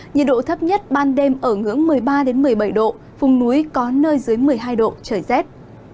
nhiệt độ thấp nhất ban đêm ở ngưỡng một mươi ba một mươi bảy độ vùng núi có nơi dưới một mươi hai độ trời rét